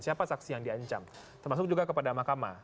siapa saksi yang diancam termasuk juga kepada mahkamah